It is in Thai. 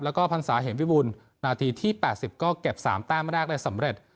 แล้วก็พันษาเห็นวิบุลนาทีที่แปดสิบก็เก็บสามแต้มแรกเลยสำเร็จ